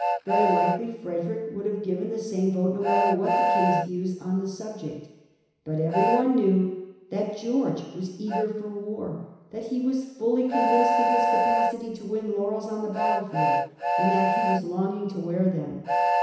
Very likely Frederick would have given the same vote, no matter what the King's views on the subject. But every one knew that George was eager for war, that he was fully convinced of his capacity to win laurels on the battle field, and that he was longing to wear them.